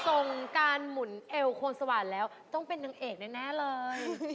ส่งการหมุนเอวคนสว่านแล้วต้องเป็นนางเอกแน่เลย